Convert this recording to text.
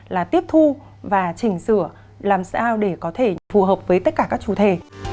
là tiếp thu và chỉnh sửa làm sao để có thể phù hợp với tất cả các chủ thể